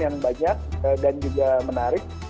yang banyak dan juga menarik